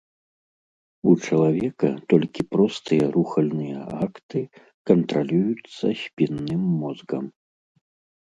У чалавека толькі простыя рухальныя акты кантралююцца спінным мозгам.